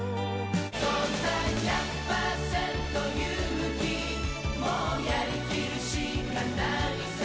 「そうさ １００％ 勇気もうやりきるしかないさ」